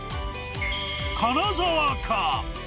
金沢か？